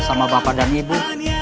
sama bapak dan ibu